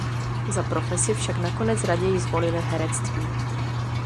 Za profesi však nakonec raději zvolily herectví.